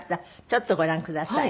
ちょっとご覧ください。